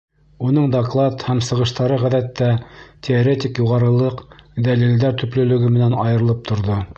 Уның доклад һәм сығыштары, ғәҙәттә, теоретик юғарылыҡ, дәлилдәр төплөлөгө менән айырылып торҙо.